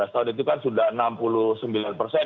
lima belas tahun itu kan sudah enam puluh sembilan persen